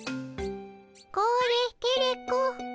これテレ子。